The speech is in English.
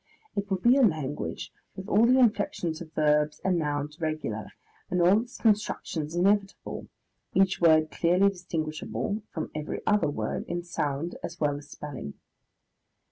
It will be a language with all the inflexions of verbs and nouns regular and all its constructions inevitable, each word clearly distinguishable from every other word in sound as well as spelling.